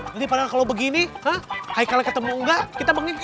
nanti padahal kalau begini haikal yang ketemu enggak kita mengingat